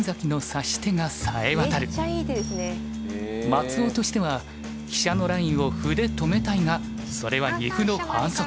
松尾としては飛車のラインを歩で止めたいがそれは二歩の反則。